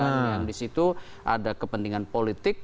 yang disitu ada kepentingan politik